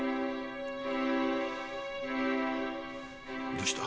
どうした？